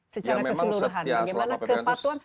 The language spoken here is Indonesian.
secara keseluruhan bagaimana kepatuan